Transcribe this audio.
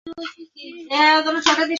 তুই আমাদেরকে গোলকধাঁধাঁর মতো ঘুরিয়েছিস।